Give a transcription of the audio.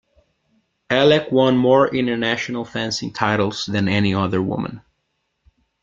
Elek won more international fencing titles than any other woman.